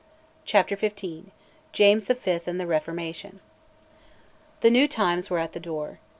CHAPTER XV. JAMES V. AND THE REFORMATION. The new times were at the door.